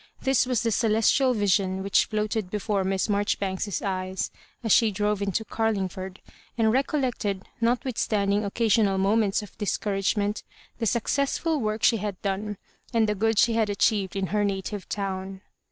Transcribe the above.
This was the celestial vision which floated before Miss Marjoribanks's eyes as she drove into Garlingford, and recollected, not withstanding occasional moments of discourage ment, the successful work she had done, and the good she had achieved in her native town.